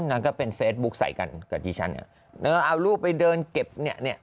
นางก็เป็นเฟซบุ๊คใส่กันกับดิฉันเนี่ยเออเอารูปไปเดินเก็บเนี่ยเนี่ย